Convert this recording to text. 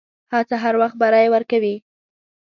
هڅه هر وخت بری ورکوي.